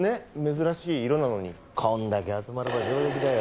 珍しい色なのにこんだけ集まれば上出来だよ